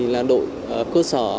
là đội cơ sở